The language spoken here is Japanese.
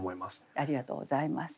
ありがとうございます。